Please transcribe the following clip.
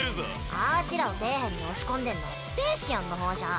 あしらを底辺に押し込んでんのはスペーシアンの方じゃん。